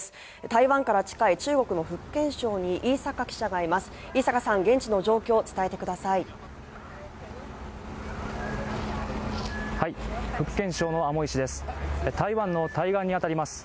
台湾から近い中国の福建省に飯坂記者がいます